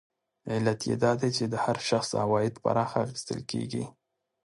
علت یې دا دی چې د هر شخص عواید پراخه اخیستل کېږي